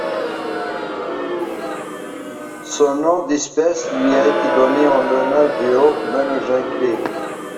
Son nom d'espèce lui a été donné en l'honneur de Hauptmann Eugen Kling.